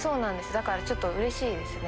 だからちょっとうれしいですね。